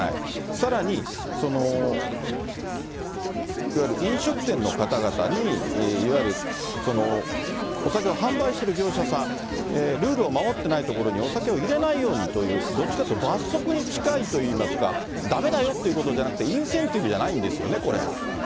さらに、いわゆる飲食店の方々にいわゆるお酒を販売している業者さん、ルールを守ってないところにお酒を入れないようにという、どっちかというと罰則に近いといいますか、だめだよっていうことじゃなくて、インセンティブじゃないんですよね、これ。